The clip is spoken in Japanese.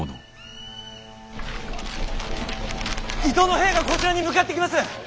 伊東の兵がこちらに向かってきます！